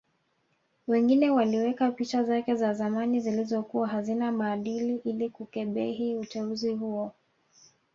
Wengine waliweka picha zake za zamani zilizokuwa hazina maadili ili kukebehi uteuzi huo